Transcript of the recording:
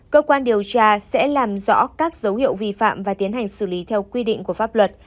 cơ quan điều tra sẽ làm rõ các dấu hiệu vi phạm và tiến hành xử lý theo quy định của pháp luật